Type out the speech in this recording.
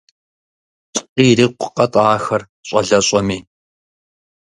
ЛӀы ирикъукъэ-тӀэ ахэр, щӀалэщӀэми!